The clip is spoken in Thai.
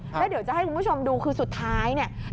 แล้วเดี๋ยวจะให้คุณผู้ชมดูคือสุดท้ายเนี่ย